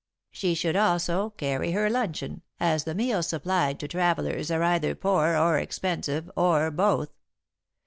"'She should also carry her luncheon, as the meals supplied to travellers are either poor or expensive, or both.